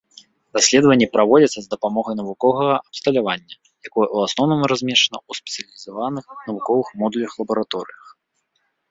Даследаванні праводзяцца з дапамогай навуковага абсталявання, якое ў асноўным размешчана ў спецыялізаваных навуковых модулях-лабараторыях.